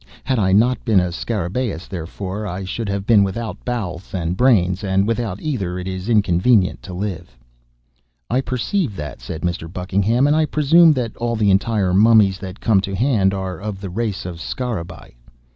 Had I not been a Scarabeus, therefore, I should have been without bowels and brains; and without either it is inconvenient to live." "I perceive that," said Mr. Buckingham, "and I presume that all the entire mummies that come to hand are of the race of Scarabaei."